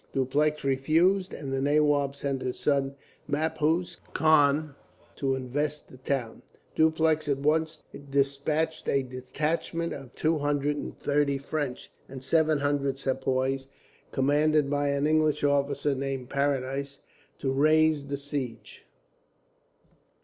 Dupleix refused, and the nawab sent his son Maphuz Khan to invest the town. Dupleix at once despatched a detachment of two hundred and thirty French, and seven hundred Sepoys, commanded by an engineer officer named Paradis, to raise the siege.